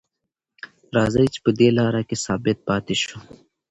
راځئ چې په دې لاره کې ثابت پاتې شو.